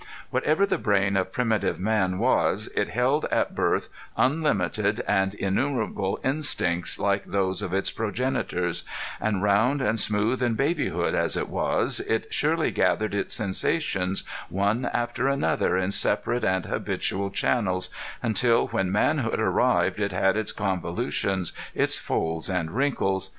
Whatever the brain of primitive man was it held at birth unlimited and innumerable instincts like those of its progenitors; and round and smooth in babyhood, as it was, it surely gathered its sensations, one after another in separate and habitual channels, until when manhood arrived it had its convolutions, its folds and wrinkles.